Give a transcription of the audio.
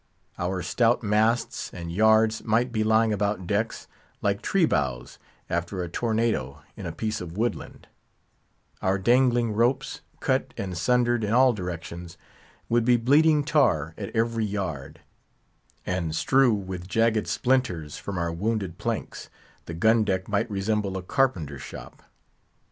Our stout masts and yards might be lying about decks, like tree boughs after a tornado in a piece of woodland; our dangling ropes, cut and sundered in all directions, would be bleeding tar at every yard; and strew with jagged splinters from our wounded planks, the gun deck might resemble a carpenter's shop.